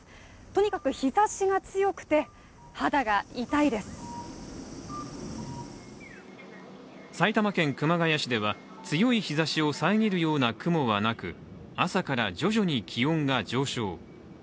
とにかく日ざしが強くて、肌が痛いです埼玉県熊谷市では強い日ざしを遮るような雲はなく朝から徐々に気温が上昇。